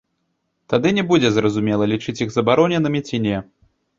Тады не будзе зразумела, лічыць іх забароненымі, ці не.